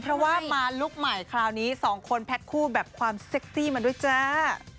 เพราะว่ามาลุคใหม่คราวนี้สองคนแพ็คคู่แบบความเซ็กซี่มาด้วยจ้า